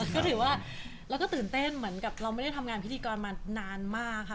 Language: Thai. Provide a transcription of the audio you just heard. ก็ถือว่าเราก็ตื่นเต้นเหมือนกับเราไม่ได้ทำงานพิธีกรมานานมากค่ะ